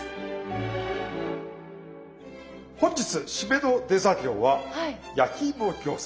本日締めのデザギョーは焼きいも餃子。